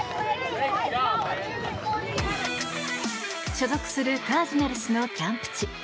所属するカージナルスのキャンプ地。